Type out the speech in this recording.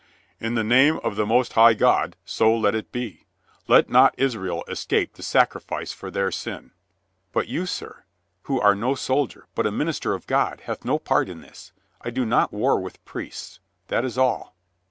"In the name of the most high God, so let it be! Let not Israel escape the sacrifice for their sin." "But you, sir, who are no soldier, but a minister of God, have no part in this. I do not war with priests. That is all."